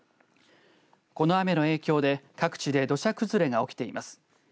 この雨の影響で各地で土砂崩れが起きています。